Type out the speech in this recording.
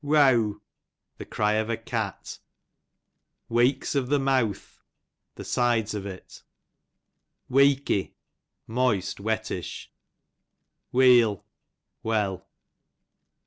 Weaw, the cry of a cat. Weeks of the Mouth, the sides of it. Weeky, moist, wettish. Weel, loell.